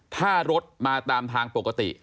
ถ้ารถมาตามทางปกติ